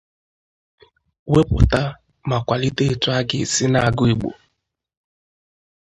wepụta ma kwàlite etu a ga-esi na-agụ Igbo